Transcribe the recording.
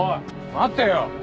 待てよ！